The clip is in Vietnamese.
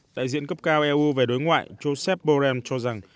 đại diện cấp cao eu về đối ngoại joseph borrell cho rằng